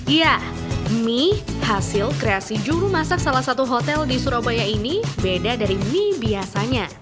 ya mie hasil kreasi juru masak salah satu hotel di surabaya ini beda dari mie biasanya